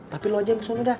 tapi lu aja yang kesana dah